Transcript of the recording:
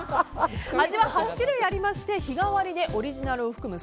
味は８種類ありまして日替わりでオリジナルを含む